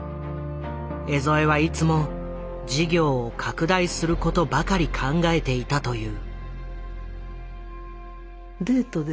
江副はいつも事業を拡大することばかり考えていたという。